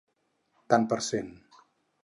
Tant per cent.